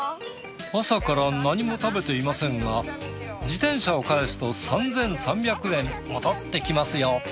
朝から何も食べていませんが自転車を返すと３，３００円戻ってきますよ。